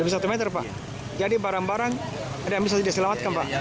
jadi satu meter pak jadi barang barang ada yang bisa diselamatkan pak